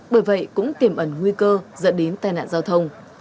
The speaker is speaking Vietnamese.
bởi vậy cũng tiềm ẩn nguy cơ dẫn đến tai nạn giao thông